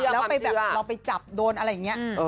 แล้วไปแบบเราไปจับโดนอะไรอย่างนี้